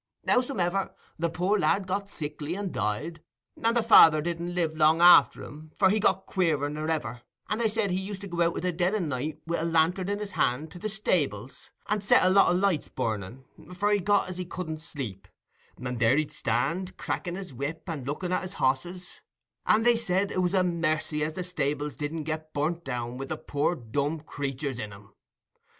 Howsomever, the poor lad got sickly and died, and the father didn't live long after him, for he got queerer nor ever, and they said he used to go out i' the dead o' the night, wi' a lantern in his hand, to the stables, and set a lot o' lights burning, for he got as he couldn't sleep; and there he'd stand, cracking his whip and looking at his hosses; and they said it was a mercy as the stables didn't get burnt down wi' the poor dumb creaturs in 'em.